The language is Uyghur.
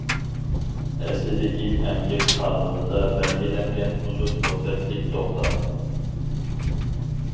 ئەسلىدىكى ئەمگەك قانۇنىدا بەلگىلەنگەن ئۇزۇن مۇددەتلىك توختام.